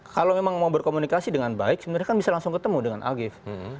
kalau memang mau berkomunikasi dengan baik sebenarnya kan bisa langsung ketemu dengan algif